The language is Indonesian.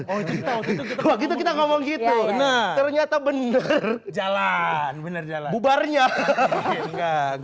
oh gitu gitu kita ngomong gitu nah ternyata bener bener jalan bener bener bubarnya hahaha